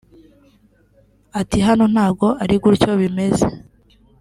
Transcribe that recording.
Ati "Hano ntago ari gutyo bimeze